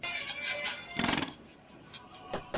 زیرمې تل د پرمختګ معيار نشي ګڼل کېدای.